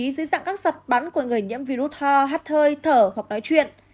virus lây lan qua không khí dưới dạng các giọt bắn của người nhiễm virus ho hắt hơi thở hoặc nói chuyện